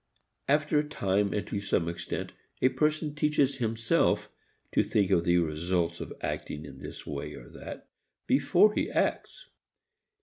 After a time and to some extent, a person teaches himself to think of the results of acting in this way or that before he acts.